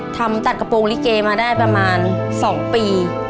ทำตัดกระโปรงลิเกมาได้ประมาณ๒ปี